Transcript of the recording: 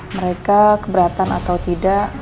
mereka keberatan atau tidak